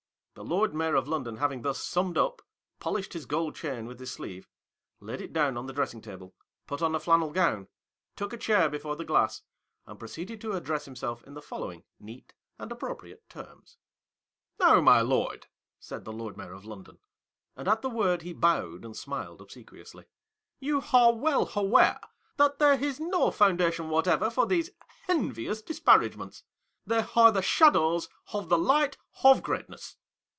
The Lord Mayor of London having thus summed up, polished his gold chain with his sleeve, laid it down on the dressing table, put on a flannel gown, took a chair before the glass, and proceeded to address himself in the following neat and appropriate terms :" Now, my Lord," said the Lord Mayor of London ; and at the word he bowed, and smiled obsequiously ; "you are well aware that there is no foundation whatever for these envious disparagements. They are the shadows of the light of Greatness."